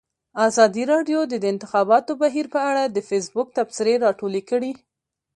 ازادي راډیو د د انتخاباتو بهیر په اړه د فیسبوک تبصرې راټولې کړي.